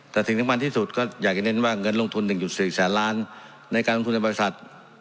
แต่สิ่งสำคัญที่สุดก็อยากจะเน้นว่าเงินลงทุน๑๔แสนล้านในการลงทุนในบริษัท